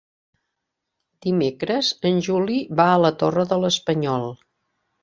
Dimecres en Juli va a la Torre de l'Espanyol.